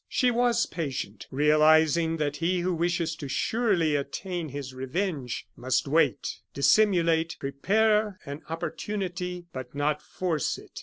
She was patient, realizing that he who wishes to surely attain his revenge must wait, dissimulate, prepare an opportunity, but not force it.